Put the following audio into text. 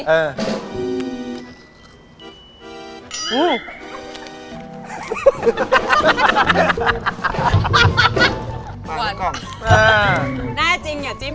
หวานกล้ม